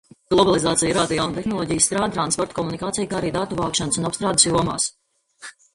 Globalizāciju rada jaunu tehnoloģiju izstrāde transporta, komunikāciju, kā arī datu vākšanas un apstrādes jomās.